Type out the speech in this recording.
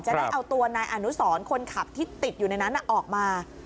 จะได้เอาตัวนายอนุสรคนขับที่ติดอยู่ในนั้นออกมา